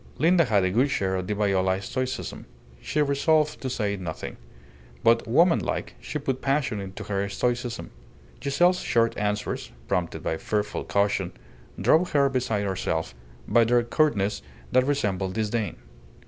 Linda had a good share of the Viola stoicism. She resolved to say nothing. But woman like she put passion into her stoicism. Giselle's short answers, prompted by fearful caution, drove her beside herself by their curtness that resembled disdain.